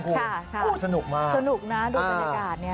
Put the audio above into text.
โอ้โหสนุกมากสนุกนะดูบรรยากาศเนี่ย